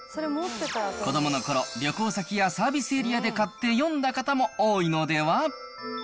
子どものころ、旅行先やサービスエリアで買って読んだ方も多いのでは？